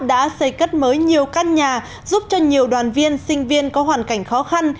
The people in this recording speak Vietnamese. đã xây cất mới nhiều căn nhà giúp cho nhiều đoàn viên sinh viên có hoàn cảnh khó khăn